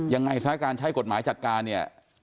ยังไงสถานการณ์ใช้กฎหมายจัดการเนี่ย